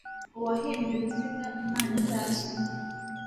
Uwahimbye uruziga imana itazwi